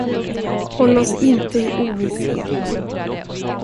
Håll oss inte i ovisshet.